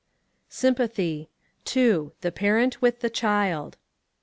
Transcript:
SYMPATHY: II. THE PARENT WITH THE CHILD.